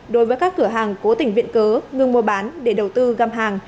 đối với các cửa hàng cố tình viện cớ ngưng mua bán để đầu tư găm hàng